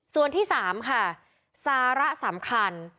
ส่วนที่๓ค่ะสาระสำคัญ